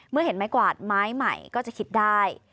เมื่อเห็นไม้กวาดไม้ใหม่ก็จะคิดได้